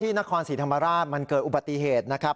นครศรีธรรมราชมันเกิดอุบัติเหตุนะครับ